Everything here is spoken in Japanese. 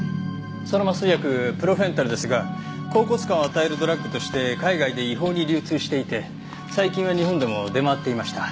その麻酔薬プロフェンタルですが恍惚感を与えるドラッグとして海外で違法に流通していて最近は日本でも出回っていました。